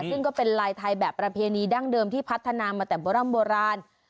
ซึ่งก็เป็นลายไทยแบบประเพณีดั้งเดิมที่พัฒนามาแต่โบร่ำโบราณ